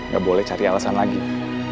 gak boleh cari alasan lagi